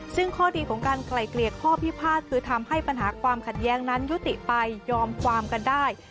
ซึ่งข้อดีของการไกลเกลี่ยข้อพิพาทคือทำให้ปัญหาความขัดแย้งนั้นยุติไปยอมความกันได้